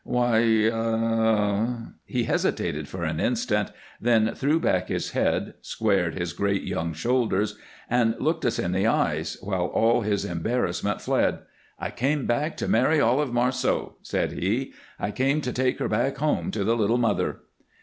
"Why er " He hesitated for an instant, then threw back his head, squared his great young shoulders, and looked us in the eyes, while all his embarrassment fled. "I came back to marry Olive Marceau," said he. "I came to take her back home to the little mother."